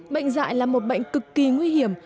bệnh dại là một bệnh cực kỳ nguy hiểm